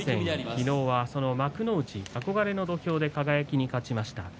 昨日は、その幕内憧れの土俵で輝に勝ちました。